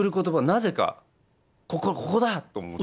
なぜか「ここだ！」と思って。